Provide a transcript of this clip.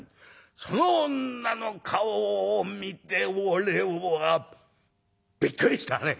その女の顔を見て俺はびっくりしたね」。